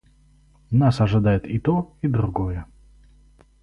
Нас ожидает и то, и другое.